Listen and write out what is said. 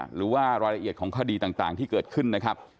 หรือว่ารายละเอียดของคดีต่างที่เกิดขึ้นนะครับ